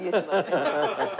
ハハハハ！